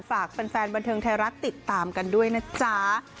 ฝากแฟนบันเทิงไทยรัฐติดตามกันด้วยนะจ๊ะ